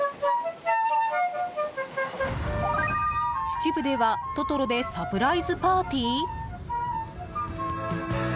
秩父では、「トトロ」でサプライズパーティー？